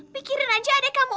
mikirin aja ada kamu opi